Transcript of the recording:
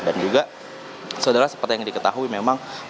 dan juga seudahnya seperti yang diketahui memang pelakon